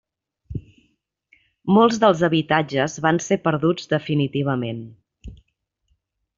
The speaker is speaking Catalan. Molts dels habitatges van ser perduts definitivament.